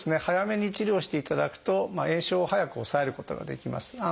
早めに治療していただくと炎症を早く抑えることができます。